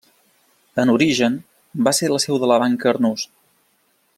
En origen, va ser la seu de la Banca Arnús.